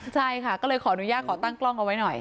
ใช่ค่ะก็เลยขออนุญาตขอตั้งกล้องเอาไว้หน่อย